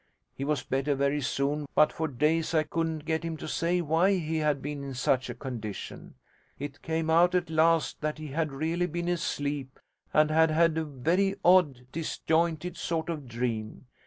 He was better very soon, but for days I couldn't get him to say why he had been in such a condition. It came out at last that he had really been asleep and had had a very odd disjointed sort of dream.